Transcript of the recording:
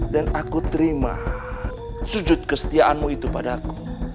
dan aku terima sujud kesetiaanmu itu padaku